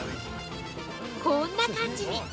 こんな感じに。